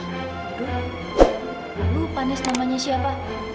aduh lupa nis namanya siapa